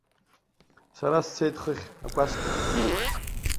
Сара сцеит хыхь, акәасқьахь.